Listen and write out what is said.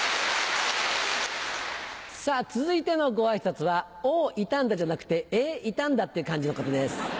続いてのご挨拶は「おおいたんだ」じゃなくて「え？いたんだ」っていう感じの方です。